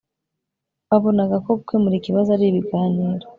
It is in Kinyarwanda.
babonaga ko gukemura ikibazo ari ibiganiro